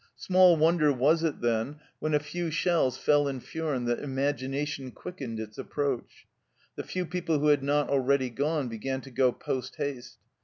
Small w r onder was it then, when a few shells fell in Furnes, that imagination quickened its approach. The few people who had not already gone began to go post haste.